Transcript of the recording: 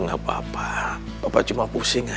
nah makasih besar